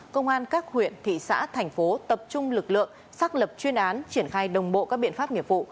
công an các huyện thị xã thành phố tập trung lực lượng xác lập chuyên án triển khai đồng bộ các biện pháp nghiệp vụ